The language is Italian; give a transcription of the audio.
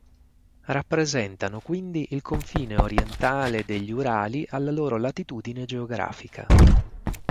Rappresentano quindi il confine orientale degli Urali alla loro latitudine geografica.